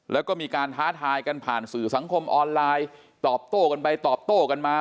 แล้วก็มีการท้าทายกันผ่านสื่อสังคมออนไลน์ตอบโต้กันไปตอบโต้กันมา